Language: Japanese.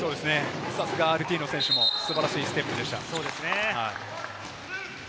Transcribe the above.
さすがアルティーノ選手も素晴らしいステップでした。